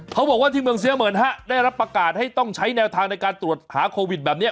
เขาบอกว่าที่เมืองเซียเหมือนฮะได้รับประกาศให้ต้องใช้แนวทางในการตรวจหาโควิดแบบนี้